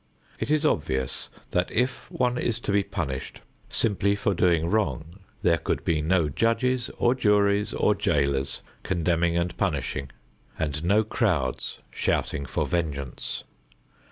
It is obvious that if one is to be punished simply for doing wrong, there could be no judges or juries or jailers condemning and punishing and no crowds shouting for vengeance.